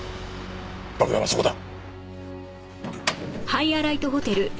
爆弾はそこだ！